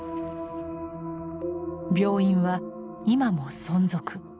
病院は今も存続。